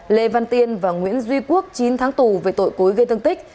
lê văn tiên và nguyễn duy quốc chín tháng tù về tội cố ý gây thương tích